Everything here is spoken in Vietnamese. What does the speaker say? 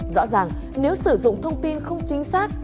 rõ ràng nếu sử dụng thông tin không chính xác